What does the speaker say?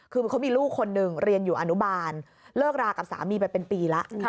คือเขามีลูกคนหนึ่งเรียนอยู่อนุบาลเลิกรากับสามีไปเป็นปีแล้ว